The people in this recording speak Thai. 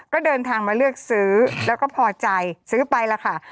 ก็เดินทางมาเลือกซื้อแล้วก็พอใจซื้อไปแล้วค่ะ